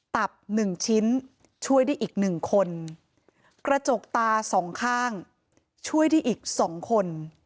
ตับ๑ชิ้นช่วยได้อีก๑คนกระจกตา๒ข้างช่วยได้อีก๒คน